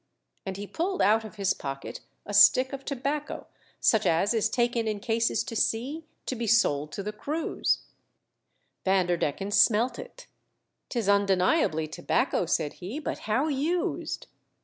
And he pulled out of his pocket a stick of tobacco, such as is taken in cases to sea to be sold to the crews. THE DUTCH SAH.ORS BOARD THE WRECK. 3OI Vanderdecken smelt it. " 'Tis undeniably tobacco," said he, "but how used.